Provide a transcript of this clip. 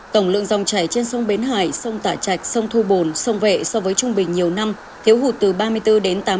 tổng lượng rồng chảy trên sông bến hải sông tả chạch sông thu bồn sông vệ so với trung bình nhiều năm thiếu hụt từ ba mươi bốn tám mươi bốn